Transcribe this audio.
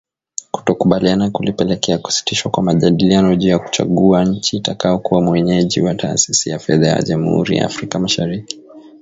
Kutokukubaliana kulipelekea kusitishwa kwa majadiliano juu ya kuchagua nchi itakayokuwa mwenyeji wa Taasisi ya Fedha ya Jamhuri ya Afrika Mashariki.